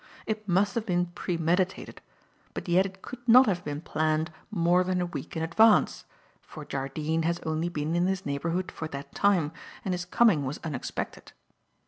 It must have been premeditated, but yet it could not have been planned more than a week in advance, for Jardine has only been in this neighbourhood for that time, and his coming was unexpected.